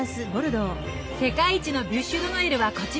世界一のビュッシュ・ド・ノエルはこちら！